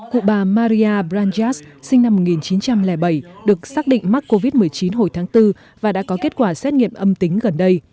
cụ bà maria branjas sinh năm một nghìn chín trăm linh bảy được xác định mắc covid một mươi chín hồi tháng bốn và đã có kết quả xét nghiệm âm tính gần đây